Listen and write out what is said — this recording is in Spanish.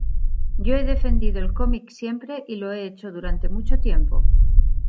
Yo he defendido el cómic siempre y lo he hecho durante mucho tiempo.